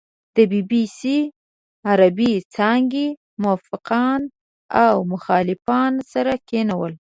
د بي بي سي عربې څانګې موافقان او مخالفان سره کېنول.